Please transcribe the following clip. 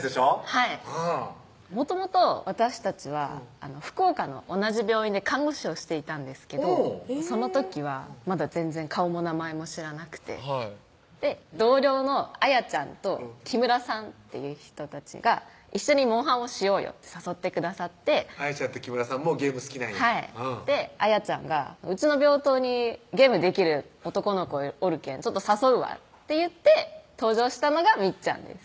はいもともと私たちは福岡の同じ病院で看護師をしていたんですけどその時はまだ全然顔も名前も知らなくて同僚のあやちゃんと木村さんっていう人たちが「一緒にモンハンをしようよ」ってあやちゃんと木村さんもゲーム好きなんやあやちゃんが「うちの病棟にゲームできる男の子おるけん誘うわ」って言って登場したのがみっちゃんです